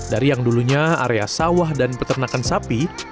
dari yang dulunya area sawah dan peternakan sapi